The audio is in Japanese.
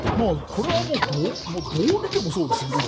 これはもう、どう見てもそうですよね。